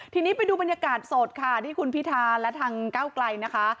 ทีนี้ไปดูบรรยากาศสดค่ะที่คุณพิธาและทางก้าวไกลนะคะ